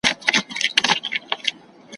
هلته مي هم نوي جامې په تن کي نه درلودې ,